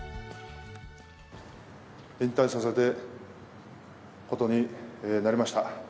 引退させていただくことになりました。